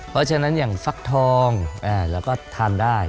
เพราะฉะนั้นอย่างฟักทองเราก็ทานได้